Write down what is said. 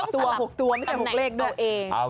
ต้องตราบ